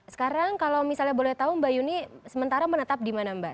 sekarang kalau misalnya boleh tahu mbak yuni sementara menetap di mana mbak